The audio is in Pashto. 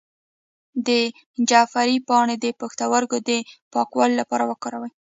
د جعفری پاڼې د پښتورګو د پاکوالي لپاره وکاروئ